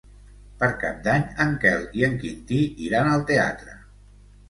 Per Cap d'Any en Quel i en Quintí iran al teatre.